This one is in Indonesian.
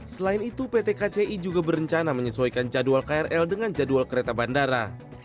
selain itu pt kci juga berencana menyesuaikan jadwal krl dengan jadwal kereta bandara